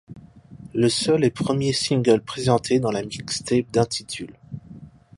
Le seul et premier single présenté dans la mixtape d'intitule '.